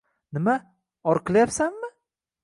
Nima, or qilyapsanmi?